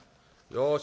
よし。